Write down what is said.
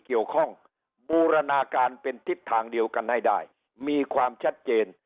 เกี่ยวข้องบูรณาการเป็นทิศทางเดียวกันให้ได้มีความชัดเจน